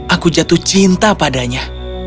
aku jatuh cinta padanya